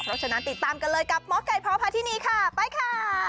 เพราะฉะนั้นติดตามกันเลยกับหมอไก่พพาธินีค่ะไปค่ะ